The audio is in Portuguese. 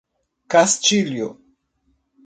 Castilho